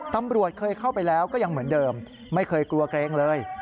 ตำรวจเคยเข้าไปแล้วก็ยังเหมือนเดิมไม่เคยกลัวเกรงเลย